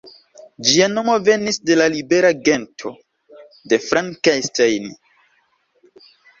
Ĝia nomo venis de la libera gento „de Frankenstein“.